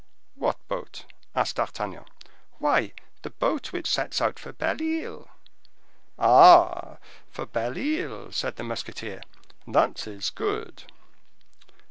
"What boat?" asked D'Artagnan. "Why the boat which sets out for Belle Isle." "Ah—for Belle Isle," said the musketeer, "that is good."